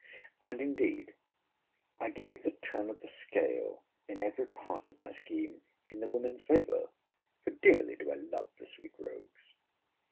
And, indeed, I gave the turn of the scale in every part of my scheme in the women's favour: for dearly do I love the sweet rogues.